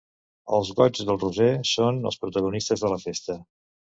Els goigs del Roser són els protagonistes de la festa.